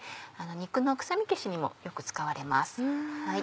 肉の臭み消しにもよく使われます。